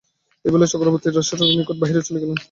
এই বলিয়া চক্রবর্তী রমেশের নিকট বাহিরে চলিয়া গেলেন।